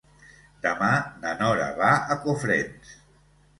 Demà na Nora va a Cofrents.